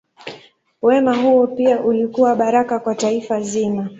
Wema huo pia ulikuwa baraka kwa taifa zima.